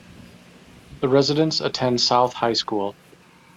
The residents attend South High School.